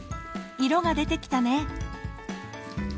色が出てきたね。